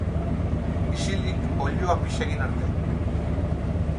Isilik oiloak pixa egin arte!